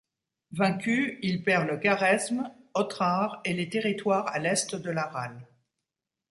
Vaincu, il perd le Khârezm, Otrar et les territoires à l’est de l’Aral.